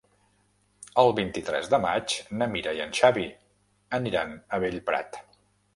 El vint-i-tres de maig na Mira i en Xavi aniran a Bellprat.